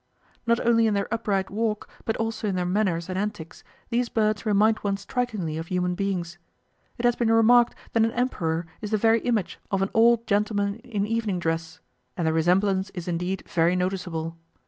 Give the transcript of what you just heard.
Not only in their upright walk, but also in their manners and antics, these birds remind one strikingly of human beings. It has been remarked that an Emperor is the very image of "an old gentleman in evening dress," and the resemblance is indeed very noticeable.